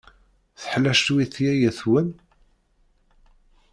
Teḥla cwiṭ yaya-twen?